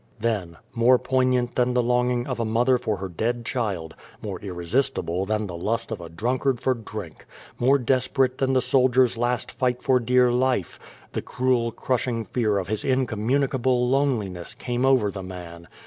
Then more poignant than the longing of a mother for her dead child, more irresistible than the lust of a drunkard for drink, more desperate than the soldier's last fight for dear 3 1 The Dream of the Dead Folk life the cruel, crushing fear of his incom municable loneliness came over the man.